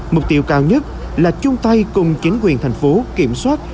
mục tiêu cao nhất là chung tay cùng chính quyền thành phố kiểm soát